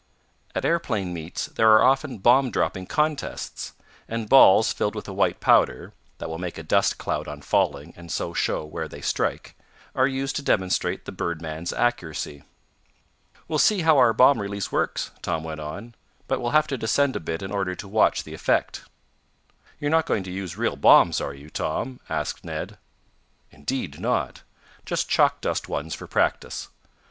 At aeroplane meets there are often bomb dropping contests, and balls filled with a white powder (that will make a dust cloud on falling, and so show where they strike) are used to demonstrate the birdman's accuracy. "We'll see how our bomb release works," Tom went on. "But we'll have to descend a bit in order to watch the effect." "You're not going to use real bombs, are you, Tom?" asked Ned. "Indeed not. Just chalk dust ones for practice.